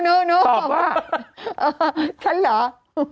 กรมป้องกันแล้วก็บรรเทาสาธารณภัยนะคะ